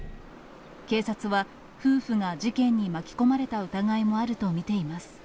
警察は夫婦が事件に巻き込まれた疑いもあると見ています。